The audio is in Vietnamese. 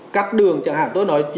cắt đường chẳng hạn tôi nói